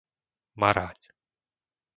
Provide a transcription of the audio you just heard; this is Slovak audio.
Marhaň